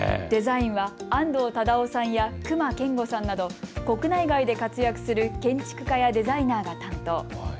デザインは安藤忠雄さんや隈研吾さんなど国内外で活躍する建築家やデザイナーが担当。